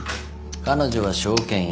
彼女は証券屋。